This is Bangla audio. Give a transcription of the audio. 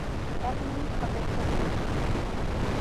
এক মিনিট অপেক্ষা করুন।